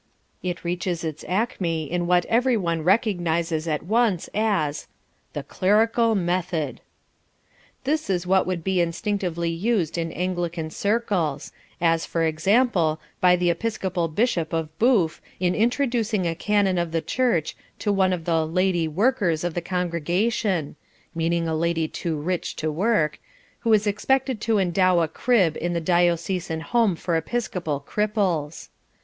It reaches its acme in what everyone recognizes at once as The Clerical Method This is what would be instinctively used in Anglican circles as, for example, by the Episcopal Bishop of Boof in introducing a Canon of the Church to one of the "lady workers" of the congregation (meaning a lady too rich to work) who is expected to endow a crib in the Diocesan Home for Episcopal Cripples.